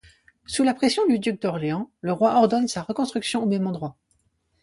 Sous la pression du duc d'Orléans, le roi ordonne sa reconstruction au même endroit.